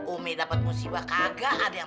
umi dapat musibah kagak ada yang